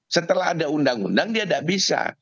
setelah ada undang undang dia tidak bisa